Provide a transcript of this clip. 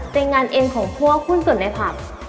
เป็นงานเอ็นของพวกหุ้นส่วนในผับ